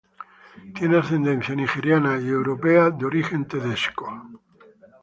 Tiene ascendencia nigeriana y europea de origen judío.